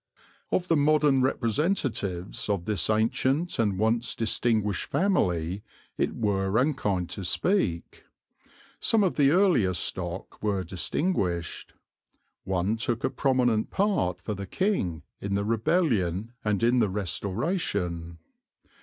Of the modern representatives of this ancient and once distinguished family it were unkind to speak. Some of the earlier stock were distinguished. One took a prominent part for the King in the Rebellion and in the Restoration.